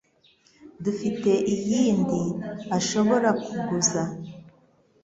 Dufite iyindi ashobora kuguza?